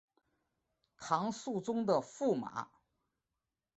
唐肃宗的驸马。